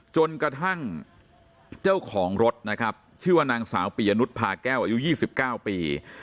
จนกระทั่งเจ้าของรถนะครับชื่อว่านางสาวปียนุษยพาแก้วอายุ๒๙ปี